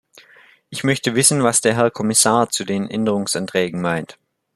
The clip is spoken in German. Ich möchte wissen, was der Herr Kommissar zu den Änderungsanträgen meint.